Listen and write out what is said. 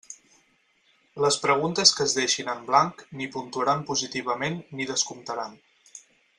Les preguntes que es deixin en blanc ni puntuaran positivament ni descomptaran.